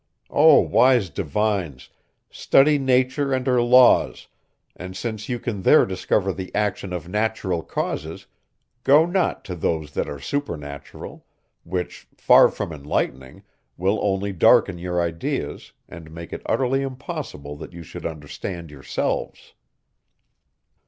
O wise divines! Study nature and her laws; and since you can there discover the action of natural causes, go not to those that are supernatural, which, far from enlightening, will only darken your ideas, and make it utterly impossible that you should understand yourselves.